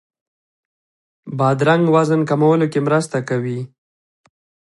بادرنګ وزن کمولو کې مرسته کوي.